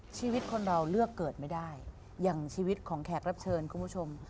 ชีวิตคนเราเลือกเกิดไม่ได้อย่างชีวิตของแขกรับเชิญคุณผู้ชม